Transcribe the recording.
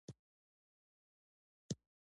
له یو داسې حالت سره مخ شوم چې بیانول یې سخت دي.